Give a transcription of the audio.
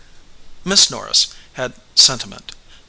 Miss Norris had sentiment.